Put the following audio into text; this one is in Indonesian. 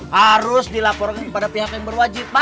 harus dilaporkan kepada pihak yang berwajib pak